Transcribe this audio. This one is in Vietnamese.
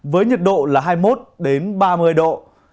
với nhiệt độ là hai mươi một ba mươi độ